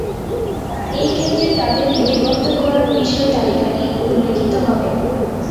এই ক্ষেত্রে তাদের লিপিবদ্ধকরণবিষয় তালিকাটি উল্লিখিত হবে।